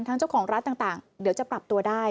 เจ้าของร้านต่างเดี๋ยวจะปรับตัวได้